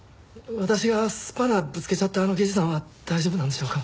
私がスパナぶつけちゃったあの刑事さんは大丈夫なんでしょうか？